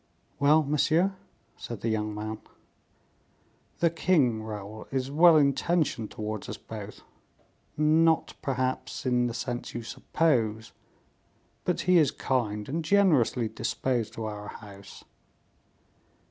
"Well, monsieur?" said the young man. "The king, Raoul, is well intentioned towards us both; not, perhaps, in the sense you suppose, but he is kind, and generously disposed to our house."